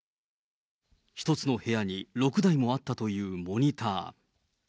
１つの部屋に６台もあったというモニター。